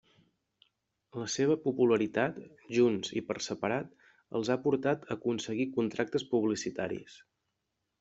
La seva popularitat, junts i per separat, els ha portat a aconseguir contractes publicitaris.